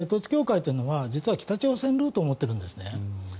統一教会というのは実は北朝鮮ルートを持っているんです。